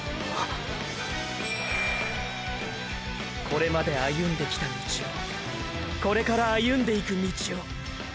これまで歩んできた道をこれから歩んでいく道を。